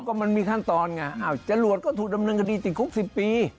ก็มันมีขั้นตอนไงอ้าวจรวดก็ถูกดำเนินคดีติดคุก๑๐ปี